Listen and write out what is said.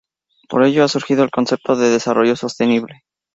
Por ello ha surgido el concepto de Desarrollo sostenible.